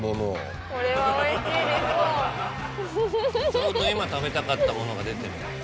ちょうど今食べたかったものが出てる。